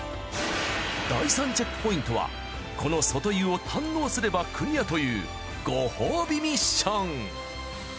第３チェックポイントはこの外湯を堪能すればクリアというご褒美ミッション。